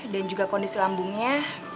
dan juga kondisi lambungnya